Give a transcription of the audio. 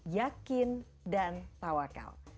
yakin dan tawakal